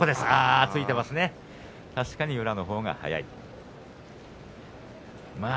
確かに宇良のほうが早い。